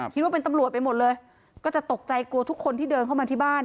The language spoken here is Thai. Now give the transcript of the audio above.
คิดว่าเป็นตำรวจไปหมดเลยก็จะตกใจกลัวทุกคนที่เดินเข้ามาที่บ้าน